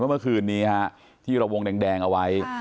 เมื่อคืนนี้ที่เราวงแดงเอาไว้